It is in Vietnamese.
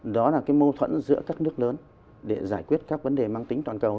đó là cái mâu thuẫn giữa các nước lớn để giải quyết các vấn đề mang tính toàn cầu